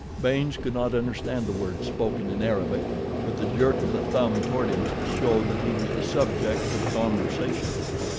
Baynes could not understand the words, spoken in Arabic, but the jerk of the thumb toward him showed that he was the subject of conversation.